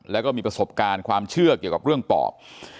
แล้วก็มีประสบการณ์ความเชื่อเกี่ยวกับเรื่องปอบ